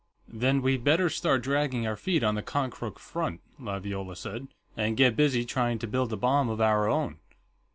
"Then we'd better start dragging our feet on the Konkrook front," Laviola said. "And get busy trying to build a bomb of our own."